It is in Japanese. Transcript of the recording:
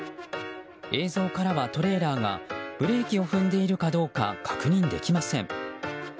映像からはトレーラーがブレーキを踏んでいるかどうか確認できません。